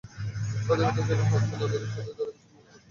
স্বাধীনতার জন্য হাত মেলালেও দুই শতাব্দী ধরে বিচ্ছিন্ন হতে চাইছে তারা।